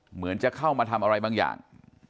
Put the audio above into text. เหมือนจะเข้ามาทำอะไรบางอย่าง